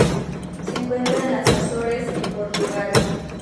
Se encuentra en las Azores en Portugal.